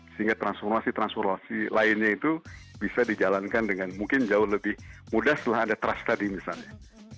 sehingga transformasi transformasi lainnya itu bisa dijalankan dengan mungkin jauh lebih mudah setelah ada trust tadi misalnya